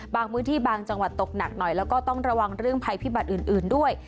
บางพื้นที่บางจังหวัดตกหนักหน่อยแล้วก็ต้องระวังเรื่องภัยพิบัตรอื่นด้วย